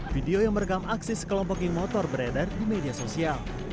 video yang merekam aksi sekelompok geng motor beredar di media sosial